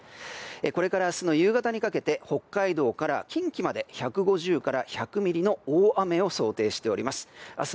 これから明日の夕方にかけて北海道から近畿まで１５０から１００ミリの大雨を想定しております。